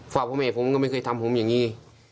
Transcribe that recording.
ฝากเพราะแม่ผมก็ไม่เคยทำผมอย่างนี้